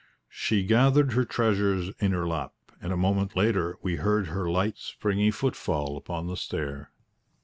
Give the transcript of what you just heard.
She gathered her treasures in her lap, and a moment later we heard her light, springy footfall upon the stair.